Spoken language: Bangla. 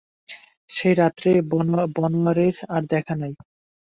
সেই রাত্রেই বনোয়ারির আর দেখা নাই।